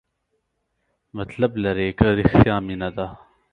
مطلب لري که رښتیا مینه ده؟